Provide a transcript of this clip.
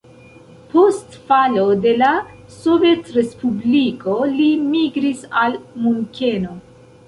Post falo de la Sovetrespubliko li migris al Munkeno.